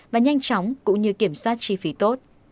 và nhanh chóng cũng như kiểm soát chi phí tốt